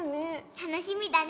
楽しみだね